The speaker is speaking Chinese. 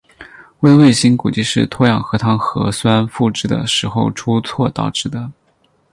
微卫星估计是脱氧核糖核酸复制的时候出错导致的。